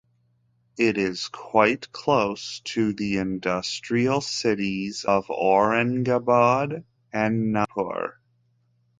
It is quite close to the industrial cities of Aurangabad and Nagpur.